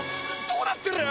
どうなってる？